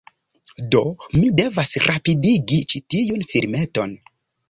Do mi devas rapidigi ĉi tiun filmeton.